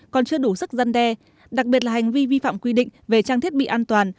còn chưa đủ sức dân đe đặc biệt là hành vi vi phạm quy định về trang thiết bị an toàn